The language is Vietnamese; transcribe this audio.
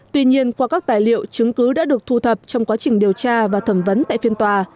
tuy nhiên qua các tài liệu chứng cứ đã được thu thập trong quá trình điều tra và thẩm vấn tại phiên tòa